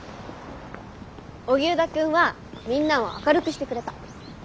荻生田くんはみんなを明るくしてくれた。